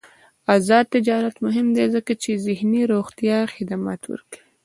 آزاد تجارت مهم دی ځکه چې ذهني روغتیا خدمات ورکوي.